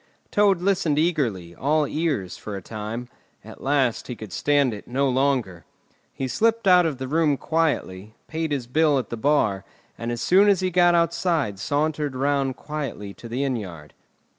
Toad listened eagerly, all ears, for a time; at last he could stand it no longer. He slipped out of the room quietly, paid his bill at the bar, and as soon as he got outside sauntered round quietly to the inn yard.